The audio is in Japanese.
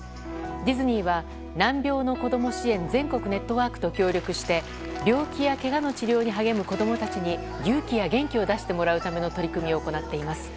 ディズニーは、難病のこども支援全国ネットワークと協力して病気やけがの治療に励む子供たちに勇気や元気を出してもらうための取り組みを行っています。